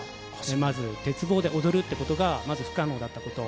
まず鉄棒で踊るってことが、まず不可能だったこと。